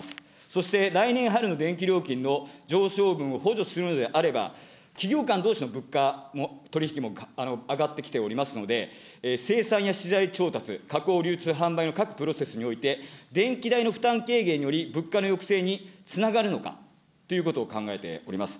そして来年春の電気料金の上昇分を補助するのであれば、企業間どうしの物価も、取り引きも上がってきておりますので、生産や資材調達、加工、流通、かんばいのプロセスにおいて、電気代の負担軽減により物価の抑制につながるのかということを考えております。